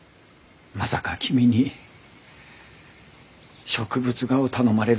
まさか君に植物画を頼まれるなんて。